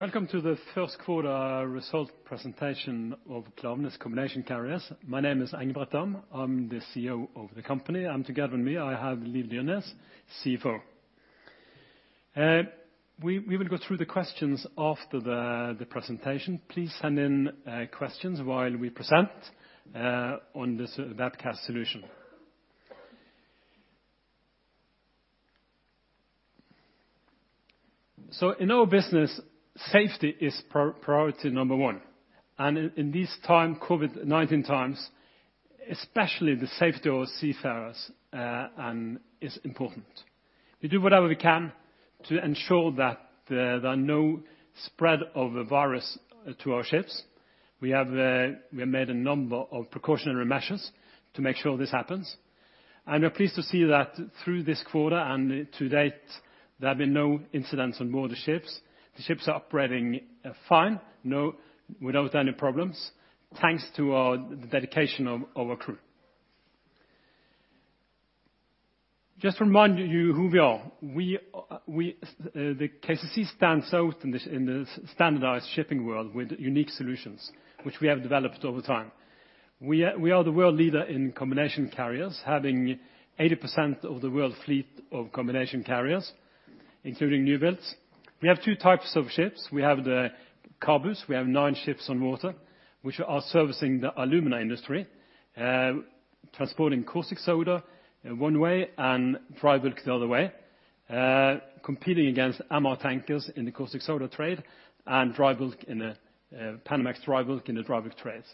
Welcome to the first quarter results presentation of Klaveness Combination Carriers. My name is Engebret Dahm. I'm the CEO of the company. Together with me, I have Liv Dyrnes, CFO. We will go through the questions after the presentation. Please send in questions while we present on this webcast solution. In our business, safety is priority number one. In these COVID-19 times, especially the safety of seafarers is important. We do whatever we can to ensure that there are no spread of the virus to our ships. We have made a number of precautionary measures to make sure this happens, and we're pleased to see that through this quarter and to date, there have been no incidents on board the ships. The ships are operating fine, without any problems, thanks to the dedication of our crew. Just to remind you who we are. KCC stands out in the standardized shipping world with unique solutions, which we have developed over time. We are the world leader in combination carriers, having 80% of the world fleet of combination carriers, including new builds. We have two types of ships. We have the CABUs. We have nine ships on water, which are servicing the alumina industry, transporting caustic soda one way and dry bulk the other way, competing against MR tankers in the caustic soda trade and Panamax dry bulk in the dry bulk trades.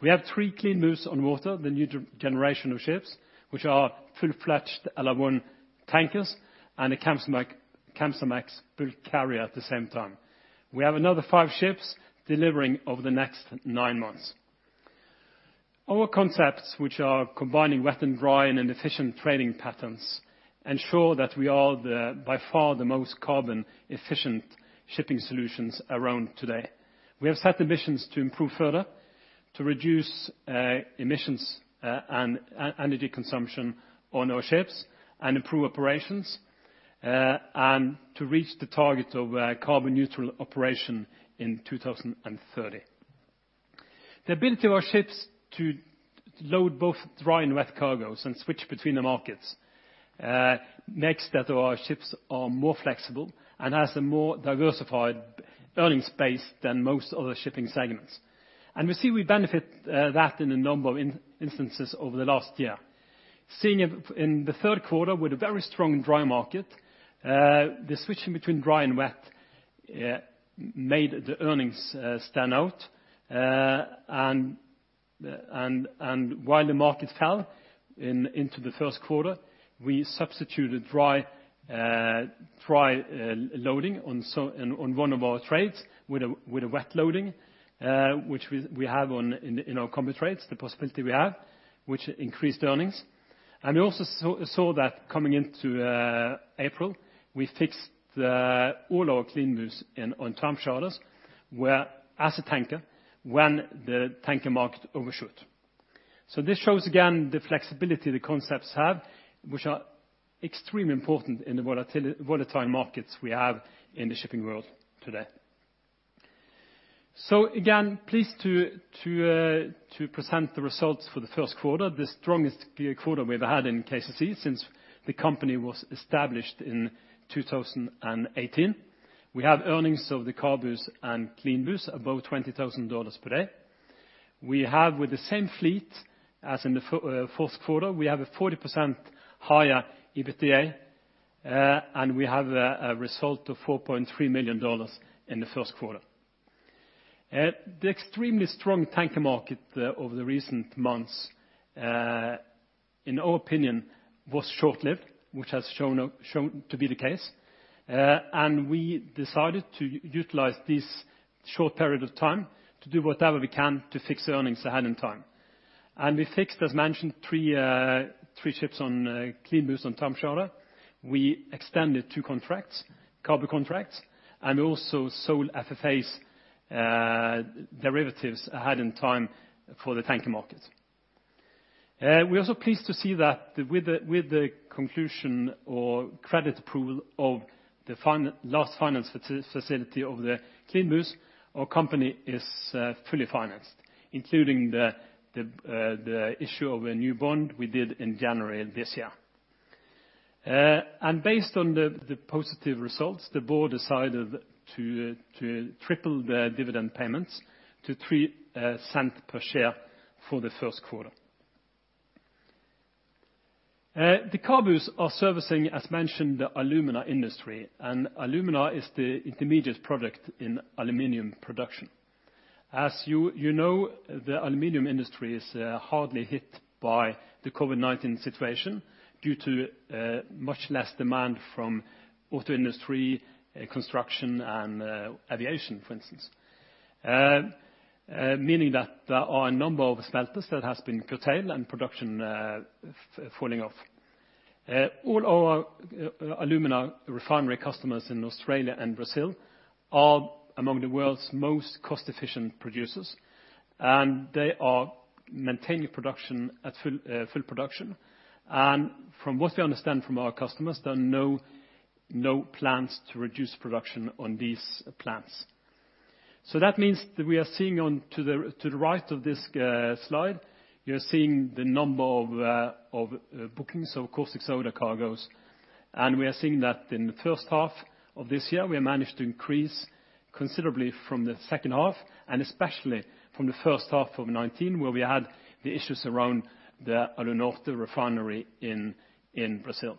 We have three CLEANBUs on water, the new generation of ships, which are full-fledged LR1 tankers and a Kamsarmax bulk carrier at the same time. We have another five ships delivering over the next nine months. Our concepts, which are combining wet and dry and efficient trading patterns, ensure that we are by far the most carbon efficient shipping solutions around today. We have set the missions to improve further, to reduce emissions and energy consumption on our ships and improve operations, and to reach the target of carbon neutral operation in 2030. The ability of our ships to load both dry and wet cargos and switch between the markets makes that our ships are more flexible and has a more diversified earnings base than most other shipping segments. We see we benefit that in a number of instances over the last year. Seeing in the third quarter with a very strong dry market, the switching between dry and wet made the earnings stand out, and while the market fell into the first quarter, we substituted dry loading on one of our trades with a wet loading, which we have in our combo trades, the possibility we have, which increased earnings. We also saw that coming into April, we fixed all our CLEANBUs on time charters, where as a tanker, when the tanker market overshoot. This shows again, the flexibility the concepts have, which are extremely important in the volatile markets we have in the shipping world today. Again, pleased to present the results for the first quarter, the strongest quarter we've had in KCC since the company was established in 2018. We have earnings of the CABUs and CLEANBUs above $20,000 per day. We have with the same fleet as in the fourth quarter, we have a 40% higher EBITDA, and we have a result of $4.3 million in the first quarter. The extremely strong tanker market over the recent months, in our opinion, was short-lived, which has shown to be the case. We decided to utilize this short period of time to do whatever we can to fix the earnings ahead in time. We fixed, as mentioned, three ships on CLEANBUs on time charter. We extended two CABU contracts and also sold FFAs derivatives ahead in time for the tanker market. We are also pleased to see that with the conclusion or credit approval of the last finance facility of the CLEANBUs, our company is fully financed, including the issue of a new bond we did in January of this year. Based on the positive results, the board decided to triple the dividend payments to 0.03 per share for the first quarter. The CABUs are servicing, as mentioned, the alumina industry, and alumina is the intermediate product in aluminum production. As you know, the aluminum industry is hardly hit by the COVID-19 situation due to much less demand from auto industry, construction, and aviation, for instance. Meaning that there are a number of smelters that has been curtailed and production falling off. All our alumina refinery customers in Australia and Brazil are among the world's most cost-efficient producers, and they are maintaining production at full production. From what we understand from our customers, there are no plans to reduce production on these plants. That means that we are seeing to the right of this slide, you are seeing the number of bookings of caustic soda cargoes, and we are seeing that in the first half of this year, we have managed to increase considerably from the second half, and especially from the first half of 2019, where we had the issues around the Alunorte refinery in Brazil.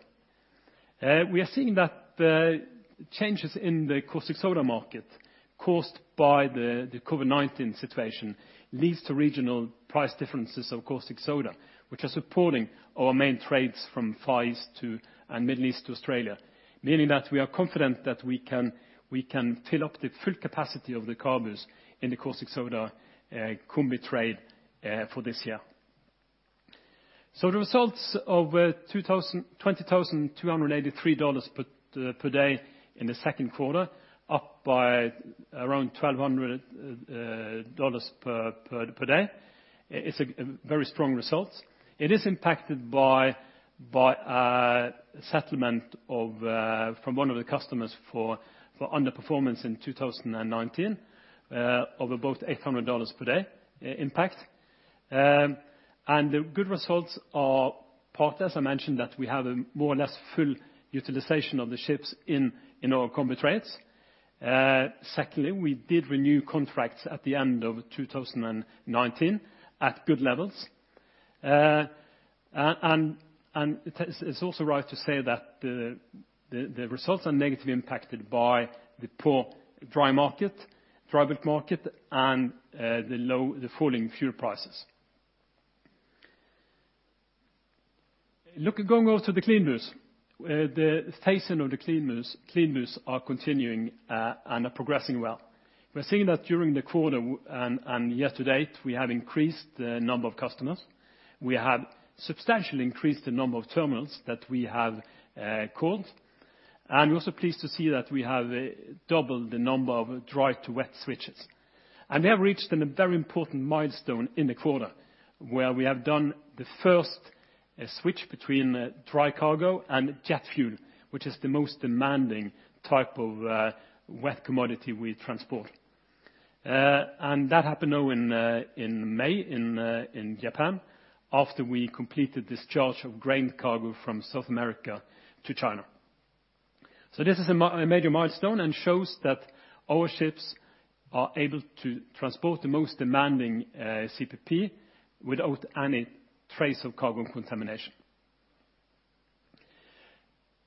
We are seeing that the changes in the caustic soda market caused by the COVID-19 situation leads to regional price differences of caustic soda, which are supporting our main trades from Far East and Middle East to Australia. Meaning that we are confident that we can fill up the full capacity of the CABUs in the caustic soda combi trade for this year. The results of $20,283 per day in the second quarter, up by around $1,200 per day is a very strong result. It is impacted by a settlement from one of the customers for underperformance in 2019 of about $800 per day impact. The good results are part, as I mentioned, that we have a more or less full utilization of the ships in our combi trades. Secondly, we did renew contracts at the end of 2019 at good levels. It is also right to say that the results are negatively impacted by the poor dry bulk market and the falling fuel prices. Looking over to the CLEANBUs, the phasing of the CLEANBUs are continuing and are progressing well. We are seeing that during the quarter and year to date, we have increased the number of customers. We have substantially increased the number of terminals that we have called. We are also pleased to see that we have doubled the number of dry to wet switches. We have reached a very important milestone in the quarter where we have done the first switch between dry cargo and jet fuel, which is the most demanding type of wet commodity we transport. That happened now in May in Japan after we completed discharge of grain cargo from South America to China. This is a major milestone and shows that our ships are able to transport the most demanding CPP without any trace of cargo contamination.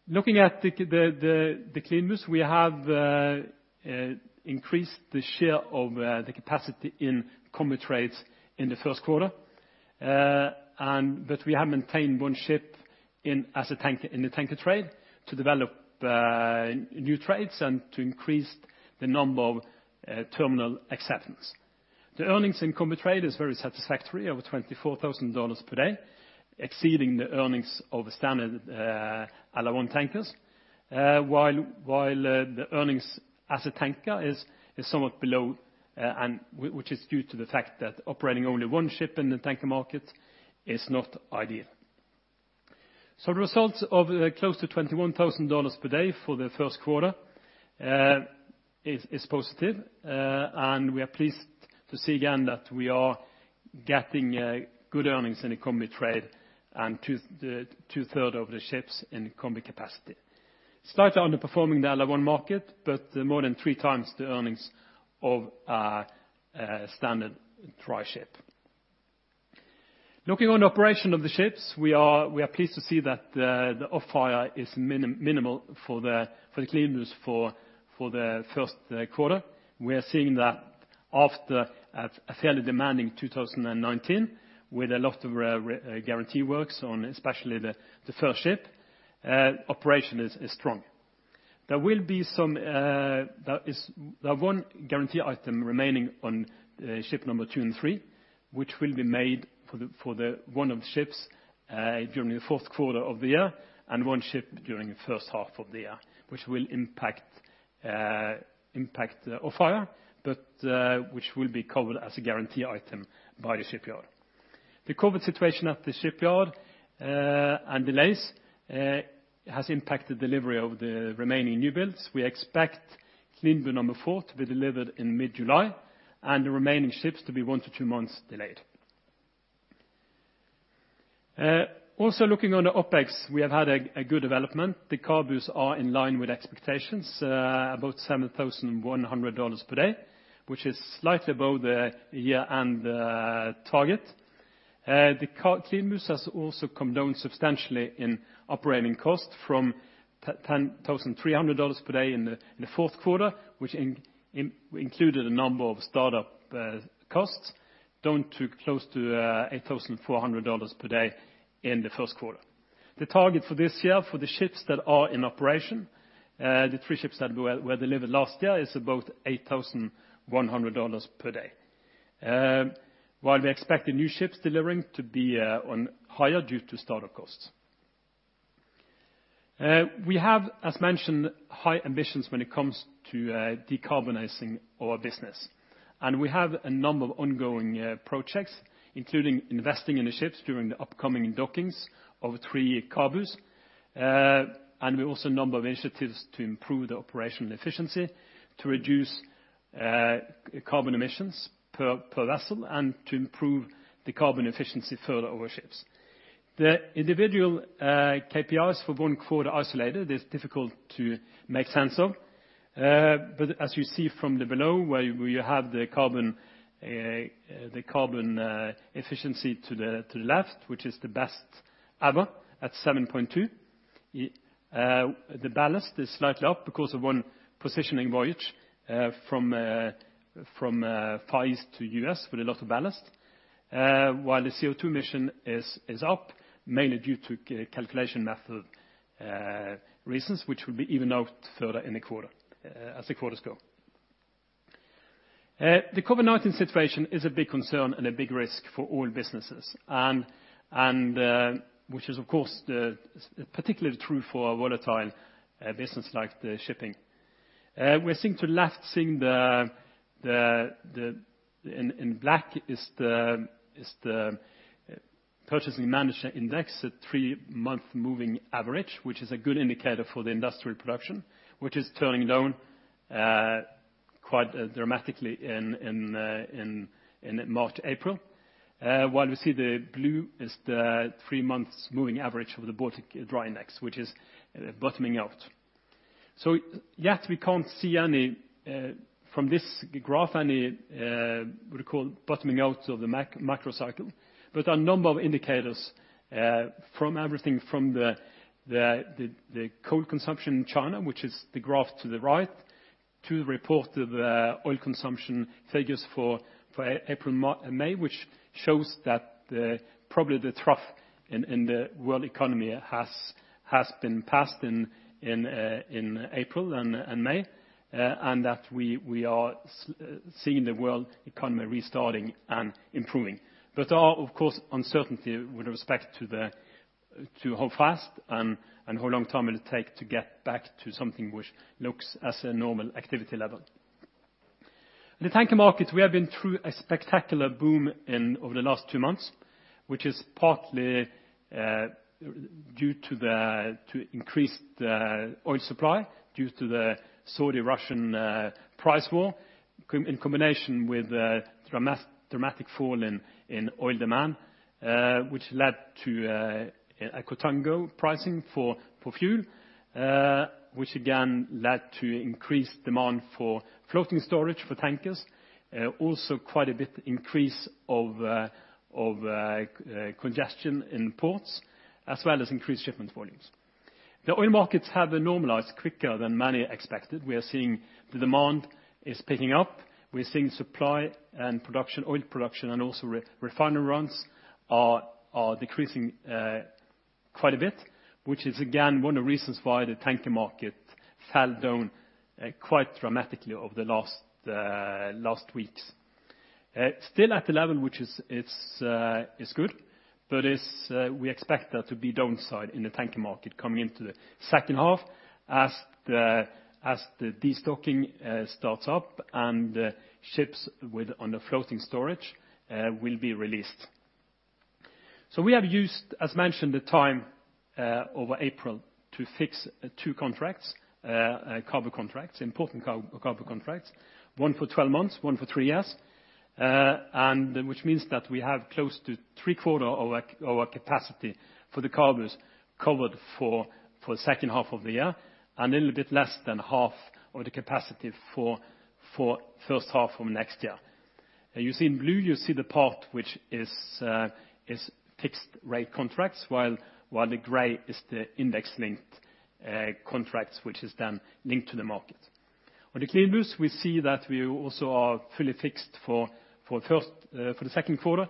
Looking at the CLEANBUs, we have increased the share of the capacity in combi trades in the first quarter. We have maintained one ship in the tanker trade to develop new trades and to increase the number of terminal acceptance. The earnings in combi trade is very satisfactory, over $24,000 per day, exceeding the earnings of standard LR1 tankers. While the earnings as a tanker is somewhat below, which is due to the fact that operating only one ship in the tanker market is not ideal. The results of close to $21,000 per day for the first quarter is positive. We are pleased to see again that we are getting good earnings in the combi trade and two-third of the ships in combi capacity. Slightly underperforming the other one market, but more than three times the earnings of a standard dry ship. Looking on the operation of the ships, we are pleased to see that the off-hire is minimal for the CLEANBUs for the first quarter. We are seeing that after a fairly demanding 2019 with a lot of guarantee works on especially the first ship, operation is strong. There is one guarantee item remaining on ship number two and three, which will be made for one of the ships during the fourth quarter of the year and one ship during the first half of the year, which will impact off-hire, but which will be covered as a guarantee item by the shipyard. The COVID-19 situation at the shipyard and delays has impacted delivery of the remaining new builds. We expect CLEANBU number four to be delivered in mid-July and the remaining ships to be one to two months delayed. Also looking on the OpEx, we have had a good development. The CABUs are in line with expectations, about $7,100 per day, which is slightly above the year-end target. The CLEANBUs has also come down substantially in operating cost from $10,300 per day in the fourth quarter, which included a number of startup costs, down to close to $8,400 per day in the first quarter. The target for this year for the three ships that are in operation, the three ships that were delivered last year, is about $8,100 per day. While we expect the new ships delivering to be on higher due to startup costs. We have, as mentioned, high ambitions when it comes to decarbonizing our business. We have a number of ongoing projects, including investing in the ships during the upcoming dockings of three CABUs. We also have a number of initiatives to improve the operational efficiency, to reduce carbon emissions per vessel, and to improve the carbon efficiency further over ships. The individual KPIs for one quarter isolated is difficult to make sense of. As you see from the below, where you have the carbon efficiency to the left, which is the best ever at 7.2. The ballast is slightly up because of one positioning voyage from Far East to U.S. with a lot of ballast. While the CO2 emission is up mainly due to calculation method reasons, which will be evened out further as the quarters go. The COVID-19 situation is a big concern and a big risk for all businesses and which is of course particularly true for a volatile business like shipping. We are seeing to left, seeing in black is the Purchasing Managers' Index, a three-month moving average, which is a good indicator for the industrial production. Which is turning down quite dramatically in March, April. While we see the blue is the three-month moving average of the Baltic Dry Index, which is bottoming out. Yet we can't see from this graph any, we would call bottoming out of the macro cycle. A number of indicators, from everything from the coal consumption in China, which is the graph to the right, to the report of oil consumption figures for April, May, which shows that probably the trough in the world economy has been passed in April and May. That we are seeing the world economy restarting and improving. Are, of course, uncertainty with respect to how fast and how long time it will take to get back to something which looks as a normal activity level. In the tanker markets, we have been through a spectacular boom over the last two months, which is partly due to increased oil supply due to the Saudi-Russian price war in combination with dramatic fall in oil demand, which led to a contango pricing for fuel, which again led to increased demand for floating storage for tankers. Also quite a bit increase of congestion in ports, as well as increased shipment volumes. The oil markets have normalized quicker than many expected. We are seeing the demand is picking up. We are seeing supply and oil production and also refinery runs are decreasing quite a bit, which is again one of the reasons why the tanker market fell down quite dramatically over the last weeks. Still at the level which is good, but we expect there to be downside in the tanker market coming into the second half as the de-stocking starts up and ships under floating storage will be released. We have used, as mentioned, the time over April to fix two CABU contracts, important CABU contracts, one for 12 months, one for three years. Which means that we have close to three-quarter of our capacity for the CABUs covered for second half of the year, and a little bit less than half of the capacity for first half of next year. In blue, you see the part which is fixed rate contracts, while the gray is the index linked contracts, which is then linked to the market. On the CLEANBUs, we see that we also are fully fixed for the second quarter.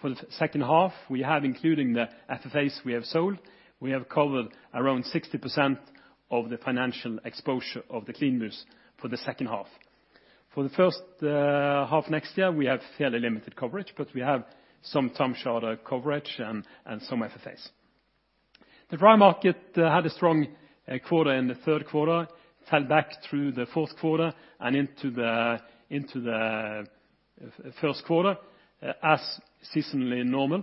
For the second half, we have, including the FFAs we have sold, we have covered around 60% of the financial exposure of the CLEANBUs for the second half. For the first half next year, we have fairly limited coverage, but we have some time charter coverage and some FFAs. The dry market had a strong quarter in the third quarter, fell back through the fourth quarter and into the first quarter as seasonally normal.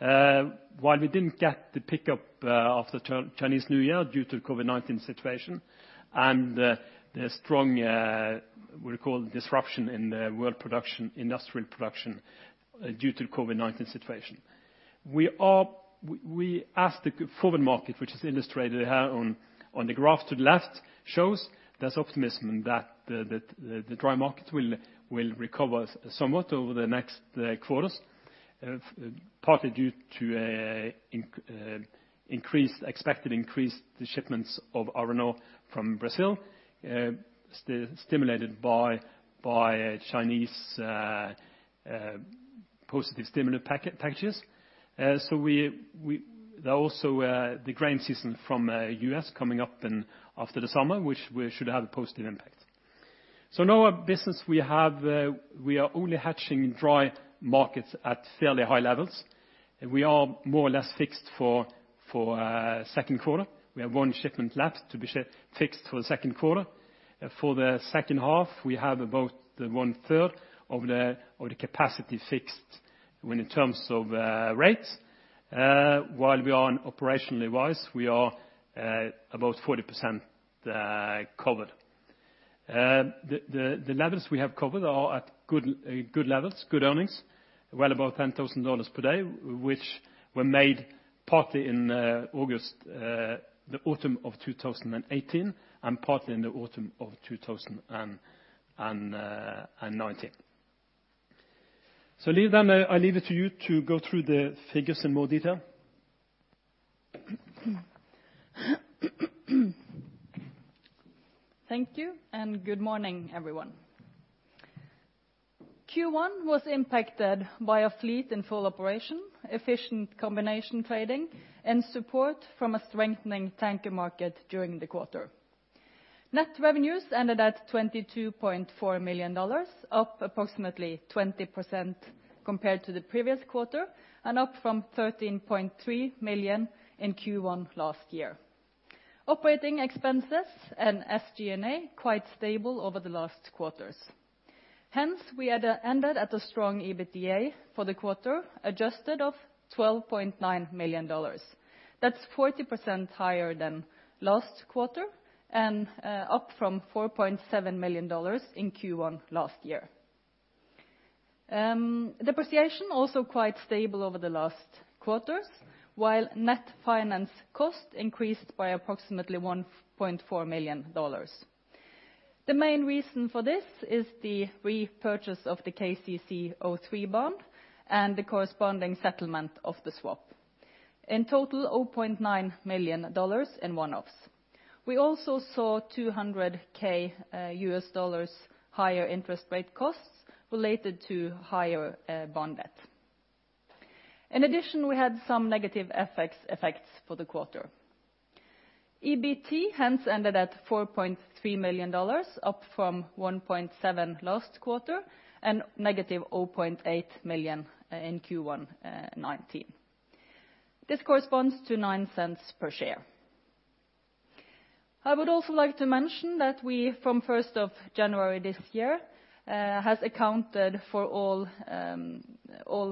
We didn't get the pickup of the Chinese New Year due to COVID-19 situation and the strong, we call disruption in the world production, industrial production due to COVID-19 situation. As the forward market, which is illustrated here on the graph to the left, shows there's optimism that the dry market will recover somewhat over the next quarters, partly due to expected increase the shipments of iron ore from Brazil, stimulated by Chinese positive stimulus packages. There are also the grain season from U.S. coming up after the summer, which should have a positive impact. In our business we are only hedging dry markets at fairly high levels, and we are more or less fixed for second quarter. We have one shipment left to be fixed for the second quarter. For the second half, we have about one third of the capacity fixed. When in terms of rates, while we are operationally wise, we are about 40% covered. The levels we have covered are at good levels, good earnings, well above $10,000 per day, which were made partly in August, the autumn of 2018, and partly in the autumn of 2019. With that, I leave it to you to go through the figures in more detail. Thank you, good morning, everyone. Q1 was impacted by a fleet in full operation, efficient combination trading, and support from a strengthening tanker market during the quarter. Net revenues ended at $22.4 million, up approximately 20% compared to the previous quarter, and up from $13.3 million in Q1 last year. Operating expenses and SG&A, quite stable over the last quarters. We had ended at a strong EBITDA for the quarter, adjusted of $12.9 million. That's 40% higher than last quarter and up from $4.7 million in Q1 last year. Depreciation, also quite stable over the last quarters, while net finance cost increased by approximately $1.4 million. The main reason for this is the repurchase of the KCC03 bond and the corresponding settlement of the swap. In total, $0.9 million in one-offs. We also saw $200 thousand higher interest rate costs related to higher bond debt. In addition, we had some negative effects for the quarter. EBT, hence, ended at $4.3 million, up from $1.7 million last quarter, and negative $0.8 million in Q1 2019. This corresponds to $0.09 per share. I would also like to mention that we, from 1st of January this year, have accounted for all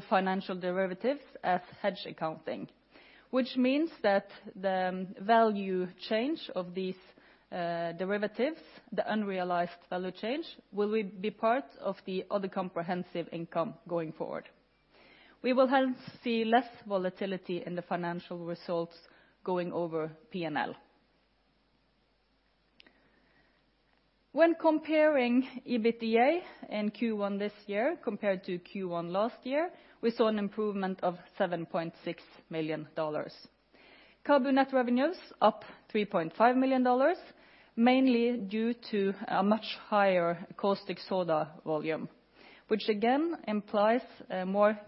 financial derivatives as hedge accounting, which means that the value change of these derivatives, the unrealized value change, will be part of the other comprehensive income going forward. We will hence see less volatility in the financial results going over P&L. When comparing EBITDA in Q1 this year compared to Q1 last year, we saw an improvement of $7.6 million. CABU net revenues up $3.5 million, mainly due to a much higher caustic soda volume, which again implies more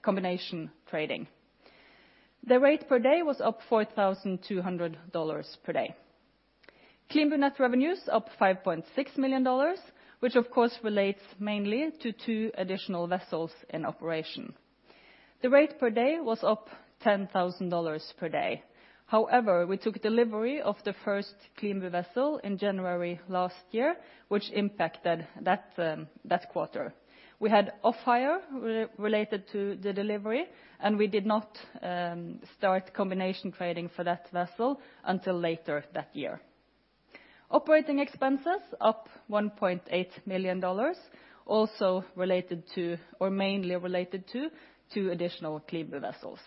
combination trading. The rate per day was up $4,200 per day. CLEANBU net revenues up $5.6 million, which of course relates mainly to two additional vessels in operation. The rate per day was up $10,000 per day. However, we took delivery of the first CLEANBU vessel in January last year, which impacted that quarter. We had off-hire related to the delivery, and we did not start combination trading for that vessel until later that year. Operating expenses up $1.8 million, also related to, or mainly related to, two additional CLEANBU vessels.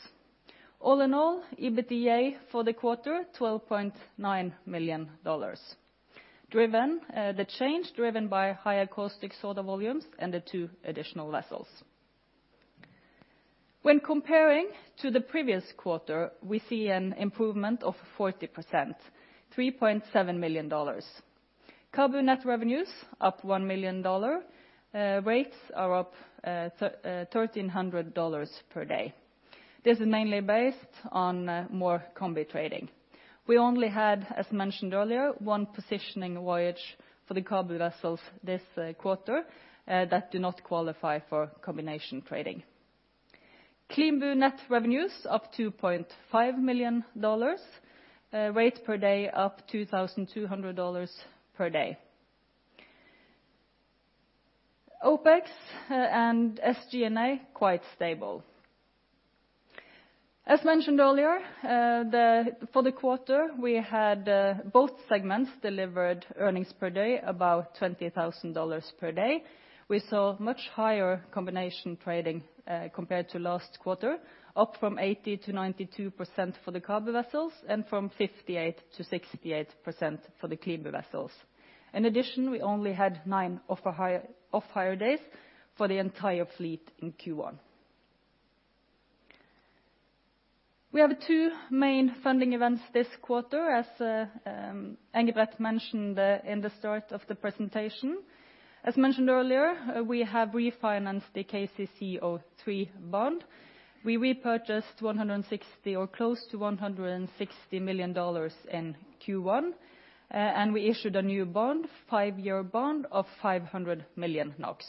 All in all, EBITDA for the quarter, $12.9 million. The change driven by higher caustic soda volumes and the two additional vessels. When comparing to the previous quarter, we see an improvement of 40%, $3.7 million. CABU net revenues up $1 million. Rates are up $1,300 per day. This is mainly based on more combi trading. We only had, as mentioned earlier, one positioning voyage for the CABU vessels this quarter that do not qualify for combination trading. CLEANBU net revenues up $2.5 million. Rate per day up $2,200 per day. OpEx and SG&A, quite stable. As mentioned earlier, for the quarter, we had both segments delivered earnings per day, about $20,000 per day. We saw much higher combination trading compared to last quarter, up from 80% to 92% for the CABU vessels and from 58% to 68% for the CLEANBU vessels. In addition, we only had nine off-hire days for the entire fleet in Q1. We have two main funding events this quarter, as Engebret mentioned in the start of the presentation. As mentioned earlier, we have refinanced the KCC03 bond. We repurchased $160 or close to $160 million in Q1, and we issued a new bond, five-year bond of 500 million NOK.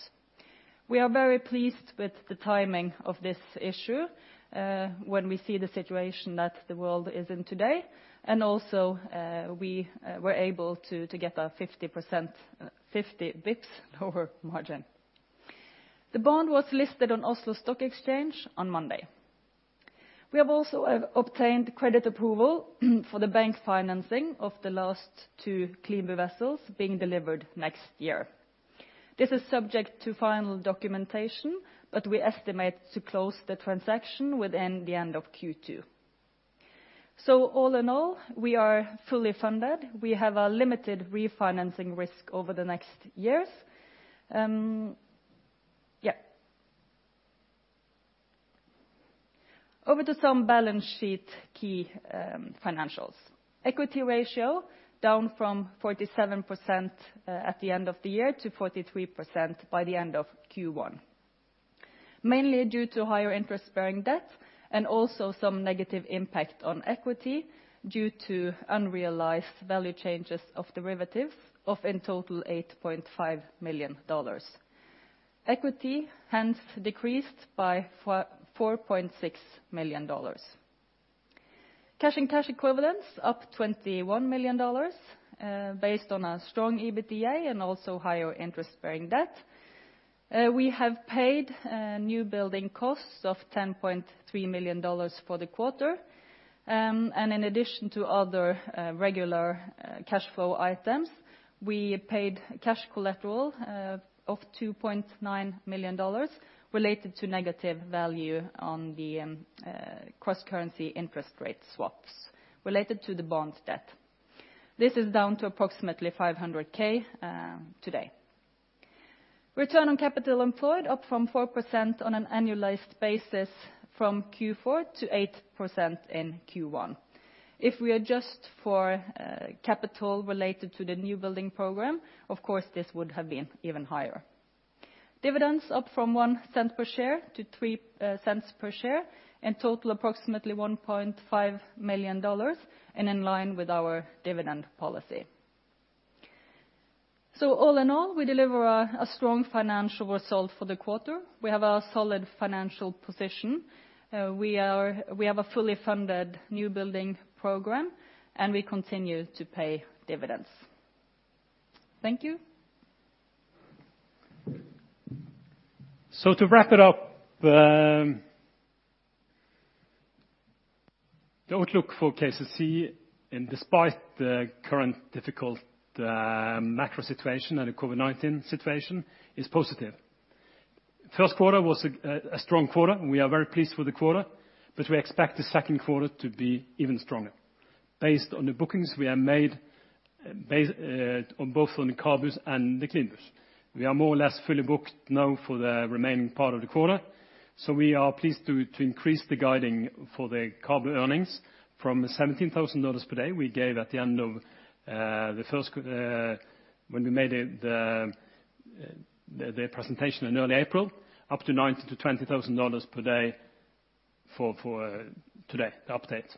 We are very pleased with the timing of this issue, when we see the situation that the world is in today, and also, we were able to get a 50 basis points lower margin. The bond was listed on Oslo Stock Exchange on Monday. We have also obtained credit approval for the bank financing of the last two CLEANBU vessels being delivered next year. This is subject to final documentation, but we estimate to close the transaction within the end of Q2. All in all, we are fully funded. We have a limited refinancing risk over the next years. Over to some balance sheet key financials. Equity ratio down from 47% at the end of the year to 43% by the end of Q1, mainly due to higher interest-bearing debt and also some negative impact on equity due to unrealized value changes of derivative of in total NOK 8.5 million. Equity hence decreased by NOK 4.6 million. Cash and cash equivalents up NOK 21 million, based on a strong EBITDA and also higher interest-bearing debt. We have paid new building costs of NOK 10.3 million for the quarter. In addition to other regular cash flow items, we paid cash collateral of NOK 2.9 million related to negative value on the cross-currency interest rate swaps related to the bond debt. This is down to approximately 500,000 today. Return on capital employed up from 4% on an annualized basis from Q4 to 8% in Q1. If we adjust for capital related to the new building program, of course, this would have been even higher. Dividends up from 0.01 per share to 0.03 per share and total approximately NOK 1.5 million and in line with our dividend policy. All in all, we deliver a strong financial result for the quarter. We have a solid financial position. We have a fully funded new building program, and we continue to pay dividends. Thank you. To wrap it up, the outlook for KCC, and despite the current difficult macro situation and the COVID-19 situation, is positive. First quarter was a strong quarter, and we are very pleased with the quarter, but we expect the second quarter to be even stronger. Based on the bookings we are made both on the CABUs and the CLEANBUs. We are more or less fully booked now for the remaining part of the quarter, so we are pleased to increase the guiding for the cargo earnings from NOK 17,000 per day we gave at the end of the first, when we made the presentation in early April, up to NOK 19,000-NOK 20,000 per day for today, the update.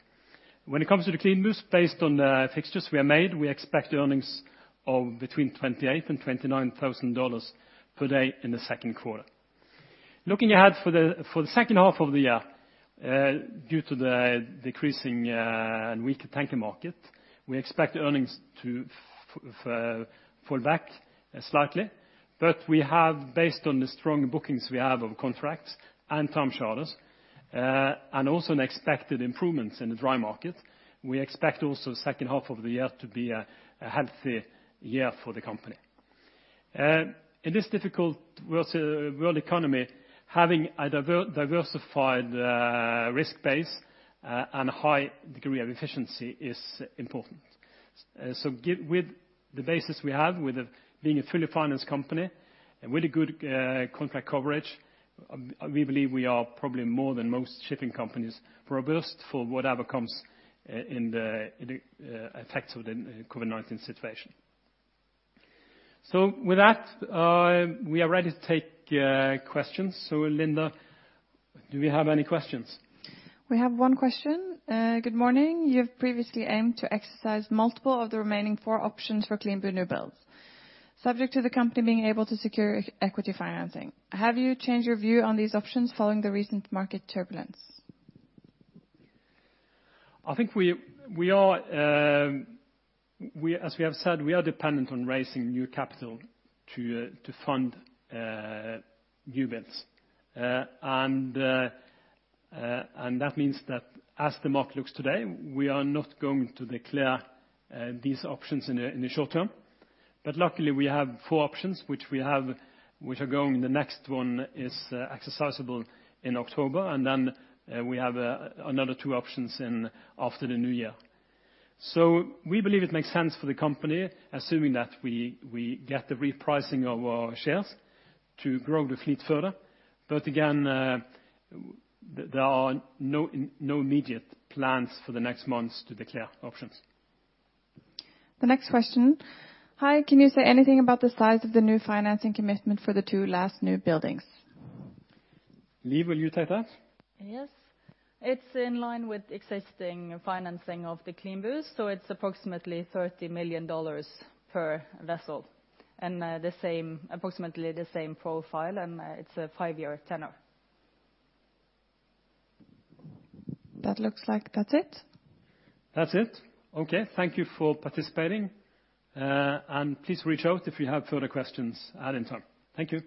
When it comes to the CLEANBUs, based on the fixtures we are made, we expect earnings of between 28,000 and NOK 29,000 per day in the second quarter. Looking ahead for the second half of the year, due to the decreasing and weaker tanker market, we expect earnings to fall back slightly. We have, based on the strong bookings we have of contracts and time charters, and also an expected improvements in the dry market, we expect also second half of the year to be a healthy year for the company. In this difficult world economy, having a diversified risk base and a high degree of efficiency is important. With the basis we have with being a fully financed company and with a good contract coverage, we believe we are probably more than most shipping companies, robust for whatever comes in the effects of the COVID-19 situation. With that, we are ready to take questions. Linda, do we have any questions? We have one question. Good morning. You have previously aimed to exercise multiple of the remaining four options for CLEANBU new builds, subject to the company being able to secure equity financing. Have you changed your view on these options following the recent market turbulence? I think as we have said, we are dependent on raising new capital to fund new builds. That means that as the market looks today, we are not going to declare these options in the short term. Luckily, we have four options, which are going. The next one is exercisable in October, and then we have another two options after the new year. We believe it makes sense for the company, assuming that we get the repricing of our shares to grow the fleet further. Again, there are no immediate plans for the next months to declare options. The next question. Hi, can you say anything about the size of the new financing commitment for the two last new buildings? Liv, will you take that? Yes. It's in line with existing financing of the CLEANBUs, so it's approximately $30 million per vessel. Approximately the same profile, and it's a five-year tenor. That looks like that's it. That's it? Okay. Thank you for participating. Please reach out if you have further questions at any time. Thank you.